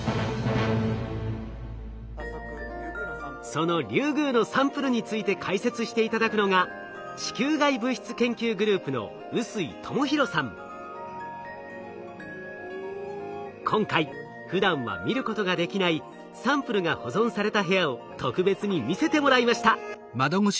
そのリュウグウのサンプルについて解説して頂くのが今回ふだんは見ることができないサンプルが保存された部屋を特別に見せてもらいました。